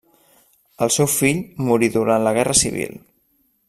El seu fill morí durant la guerra civil.